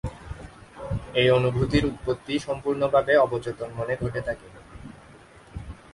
এই অনুভূতির উৎপত্তি সম্পূর্ণভাবে অবচেতন মনে ঘটে থাকে।